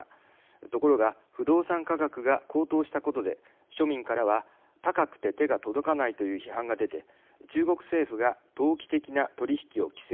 ところが不動産価格が高騰したことで庶民からは高くて手が届かないという批判が出て、中国政府が投機的な取引を規制。